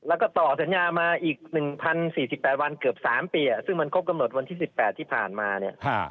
แล้วก็ต่อสัญญามาอีกหนึ่งพันสี่สิบแปดวันเกือบสามปีอ่ะซึ่งมันครบกำหนดวันที่สิบแปดที่ผ่านมาเนี้ยฮ่า